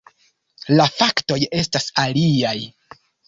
La faktoj estas aliaj.